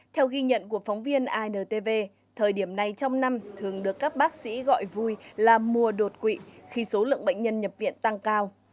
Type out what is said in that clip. theo ghi nhận của phóng viên intv thời điểm này trong năm thường được các bác sĩ gọi vui là mùa đột quỵ khi số lượng bệnh nhân nhập viện tăng cao